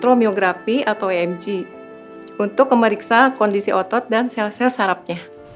promografi atau emg untuk memeriksa kondisi otot dan sel sel sarapnya